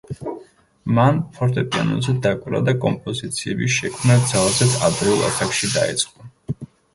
მან ფორტეპიანოზე დაკვრა და კომპოზიციების შექმნა ძალზედ ადრეულ ასაკში დაიწყო.